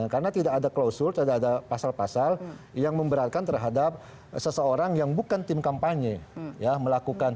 karena tidak ada klausul tidak ada pasal pasal yang memberatkan terhadap seseorang yang bukan tim kampanye